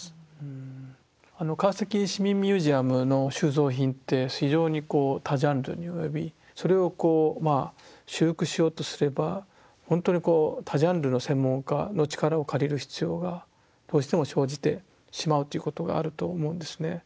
川崎市民ミュージアムの収蔵品って非常にこう多ジャンルに及びそれをこうまあ修復しようとすればほんとにこう多ジャンルの専門家の力を借りる必要がどうしても生じてしまうということがあると思うんですね。